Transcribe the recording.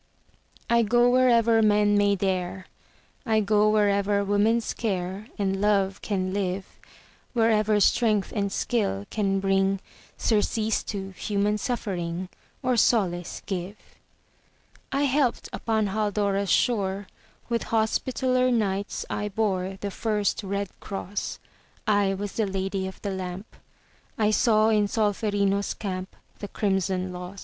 I go wherever men may dare, I go wherever woman's care And love can live, Wherever strength and skill can bring Surcease to human suffering, Or solace give. I helped upon Haldora's shore; With Hospitaller Knights I bore The first red cross; I was the Lady of the Lamp; I saw in Solferino's camp The crimson loss.